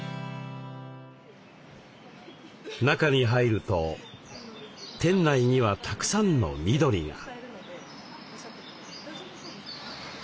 中に入ると店内にはたくさんの緑が。